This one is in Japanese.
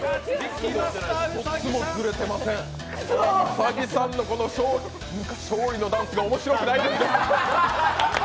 兎さんの勝利のダンスが面白くないですね。